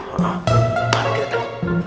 baru kita tau